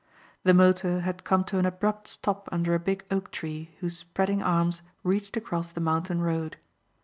The motor had come to an abrupt stop under a big oak tree whose spreading arms reached across the mountain road.